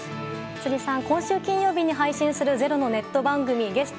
辻さん、今週金曜日に配信する「ｚｅｒｏ」のネット